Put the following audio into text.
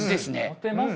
モテます？